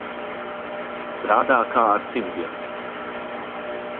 Strādā kā ar cimdiem.